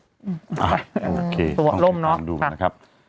โอเคตัวอารมณ์เนาะ